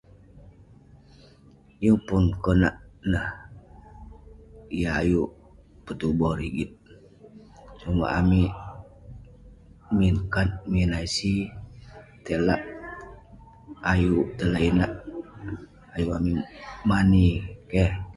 Yeng pun konak lah, yah ayuk petuboh rigit. Sumak amik, min kad min ic tai lak ayuk, tai lak inak ayuk amik mani. Keh.